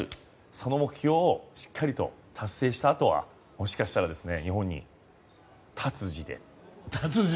その目標をしっかりと達成したあとはもしかしたら日本に、タツジで。